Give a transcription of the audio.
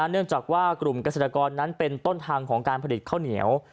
เนื่องจากว่ากลุ่มเกษตรกรนั้นเป็นต้นทางของการผลิตข้าวเหนียว